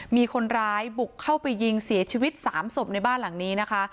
มีคนร้ายบุกเข้าไปยิงเสียชีวิต๓ศพในบ้านหลังนี้นะคะ